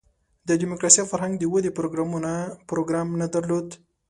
د دیموکراسۍ فرهنګ د ودې پروګرام نه درلود.